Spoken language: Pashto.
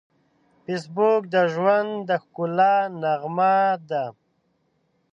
فېسبوک د ژوند د ښکلا نغمه ده